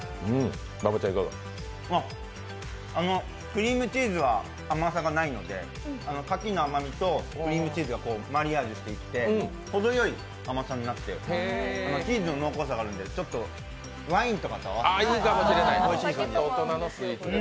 クリームチーズは甘さがないので柿の甘みとクリームチーズがマリアージュしていてほどよい甘さになって、チーズの濃厚さがあるので、ちょっとワインとか合わせるとおいしいかもしれない。